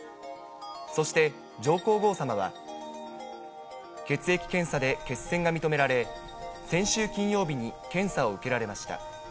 そして、上皇后さまは、血液検査で血栓が認められ、先週金曜日に検査を受けられました。